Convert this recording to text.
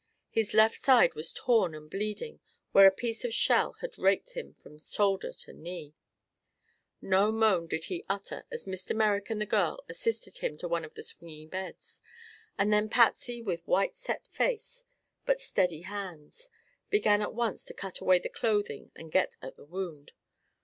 His left side was torn and bleeding where a piece of shell had raked him from shoulder to knee. No moan did he utter as Mr. Merrick and the girl assisted him to one of the swinging beds, and then Patsy, with white, set face but steady hands, began at once to cut away the clothing and get at the wound.